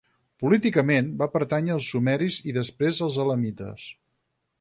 Políticament, va pertànyer als sumeris i després als elamites.